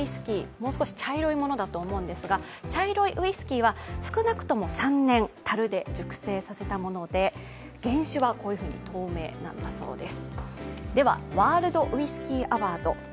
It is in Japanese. もう少し茶色いものだと思うんですが茶色いウイスキーは少なくとも３年、たるで熟成させたもので原酒はこういうふうに透明なんだそうです。